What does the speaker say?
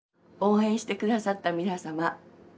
応援して下さった皆さま。